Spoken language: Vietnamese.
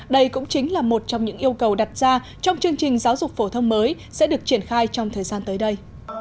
đây cũng chính là một trong những yêu cầu đặt ra trong chương trình giáo dục phổ thông mới sẽ được triển khai trong thời gian tới đây